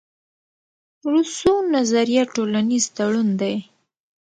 روسو نظریه ټولنیز تړون دئ.